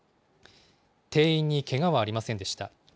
店員にけがはありませんでした。